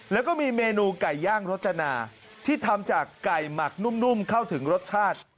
แล้วก็มีเมนูไก่ย่างรสจนาที่ทำจากไก่หมักนุ่มเข้าถึงรสชาติ